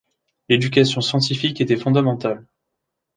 L'éducation scientifique était fondamentale.